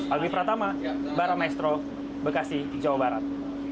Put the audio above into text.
alwi pratama barang maestro bekasi jawa barat